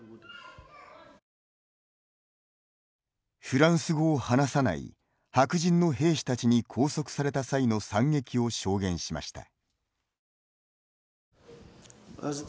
フランス語を話さない白人の兵士たちに拘束された際の惨劇を証言しました。